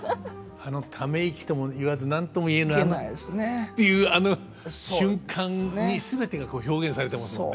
あのため息ともいわず何とも言えぬあのっていうあの瞬間にすべてがこう表現されてますもんね。